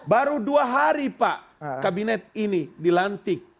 baru dua hari pak kabinet ini dilantik